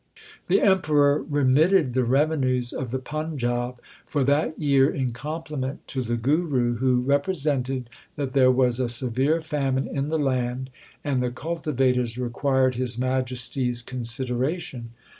The Emperor remitted the revenues of the Panjab for that year in compliment to the Guru, who repre sented that there was a severe famine in the land and the cultivators required His Majesty s considera tion.